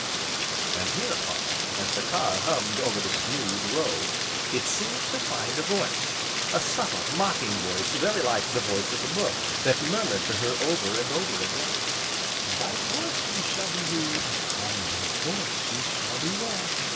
And, hereupon, as the car hummed over the smooth road, it seemed to find a voice, a subtle, mocking voice, very like the voice of the brook, that murmured to her over and over again: "By force ye shall be wooed, and by force ye shall be wed."